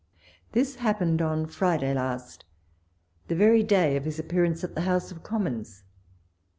This happened on Friday last, the very day of his appearance at the House of Commons.